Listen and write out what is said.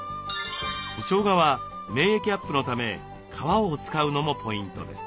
しょうがは免疫アップのため皮を使うのもポイントです。